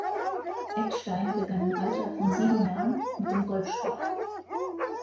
Eckstein begann im Alter von sieben Jahren mit dem Golfsport.